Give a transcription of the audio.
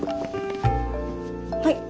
はい。